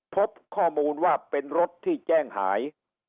พบข้อมูลว่าเป็นรถที่แจ้งหาย